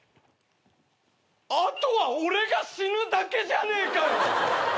あとは俺が死ぬだけじゃねえかよ！